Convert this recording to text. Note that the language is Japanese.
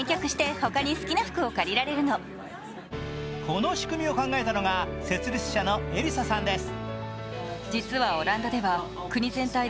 この仕組みを考えたのが、設立者のエリサさんです。